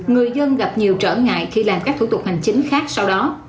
người dân gặp nhiều trở ngại khi làm các thủ tục hành chính khác sau đó